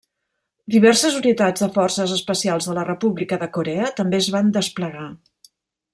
Diverses unitats de forces especials de la República de Corea també es van desplegar.